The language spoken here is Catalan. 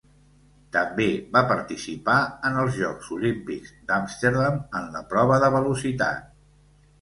També va participar en els Jocs Olímpics d'Amsterdam en la prova de Velocitat.